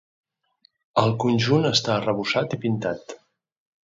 El conjunt està arrebossat i pintat.